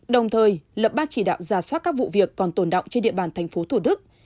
đồng thời lập ba chỉ đạo giả soát các vụ việc còn tồn động trên địa bàn thành phố thủ đức